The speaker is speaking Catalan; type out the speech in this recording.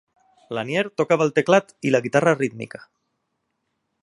Lanier tocava el teclat i la guitarra rítmica.